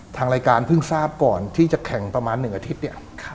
ทางรายการเพิ่งทราบก่อนที่จะแข่งประมาณ๑อาทิตย์เนี่ย